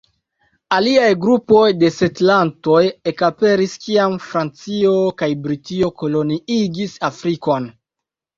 Aliaj grupoj de setlantoj ekaperis kiam Francio kaj Britio koloniigis Afrikon.